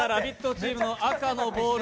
チームの赤のボール